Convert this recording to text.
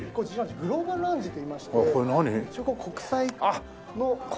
グローバルラウンジといいまして一応国際の取り組みを。